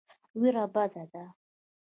وېره بده ده.